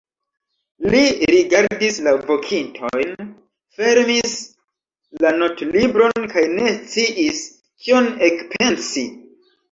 Li rigardis la vokintojn, fermis la notlibron kaj ne sciis, kion ekpensi.